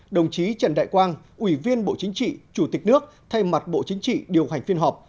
đồng chí trần đại quang ủy viên bộ chính trị chủ tịch nước thay mặt bộ chính trị điều hành phiên họp